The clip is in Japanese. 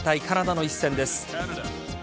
カナダの一戦です。